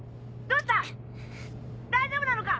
どうした⁉大丈夫なのか？